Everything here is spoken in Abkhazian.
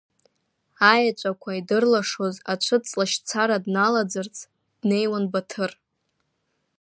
Аеҵәақәа идырлашоз ацәыҵлашьцара дналаӡырц, днеиуан Баҭыр.